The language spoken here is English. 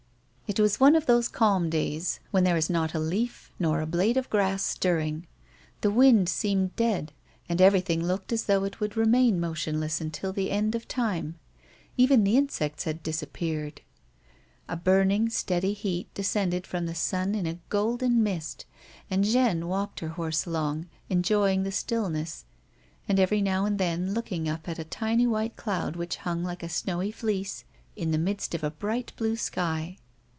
It was one of those calm days when there is not a leaf nor a blade of grass stirring. The wind seemed dead, and everything looked as though it would remain motionless un til the end of time ; even the insects had disappeared. A burning, steady heat descended from the sun in a golden mist, and Jeanne walked her horse along, enjoying the still ness, and every now and then looking up at a tiny white cloud which hung like a snowy fleece in the midstf of the bright blue sky.